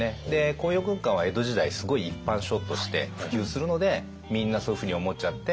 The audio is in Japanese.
「甲陽軍鑑」は江戸時代すごい一般書として普及するのでみんなそういうふうに思っちゃって。